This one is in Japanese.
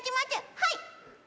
はい？